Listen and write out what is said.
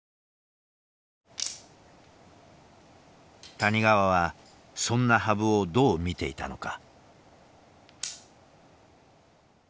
谷川はそんな羽生をどう見ていたのか。